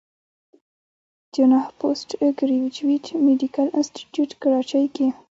جناح پوسټ ګريجويټ ميډيکل انسټيتيوټ کراچۍ کښې